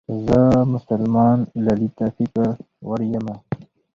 زه مسلمان لالي ته فکر وړې يمه